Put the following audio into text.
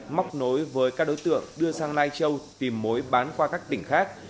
móc nối với các đối tượng đưa sang lai châu tìm mối bán qua các tỉnh khác